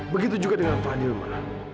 begitu juga dengan fadil ma